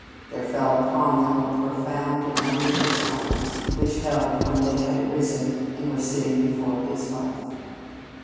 There fell upon them a profound and wonderful silence which held when they had arisen and were sitting before his hearth.